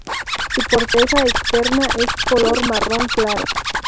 Su corteza externa es color marrón claro.